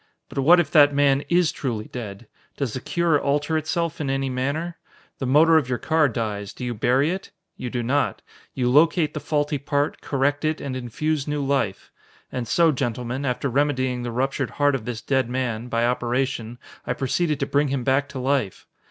But what if that man is truly dead? Does the cure alter itself in any manner? The motor of your car dies do you bury it? You do not; you locate the faulty part, correct it, and infuse new life. And so, gentlemen, after remedying the ruptured heart of this dead man, by operation, I proceeded to bring him back to life.